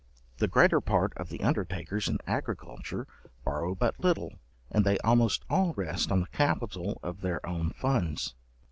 The greater part of the undertakers in agriculture borrow but little, and they almost all rest on the capital of their own funds.